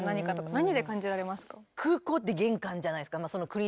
何で感じられますか？